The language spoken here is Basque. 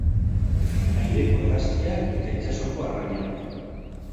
Aireko hegaztiak eta itsasoko arrainak